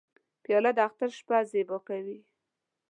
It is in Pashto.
پیاله د اختر شپه زیبا کوي.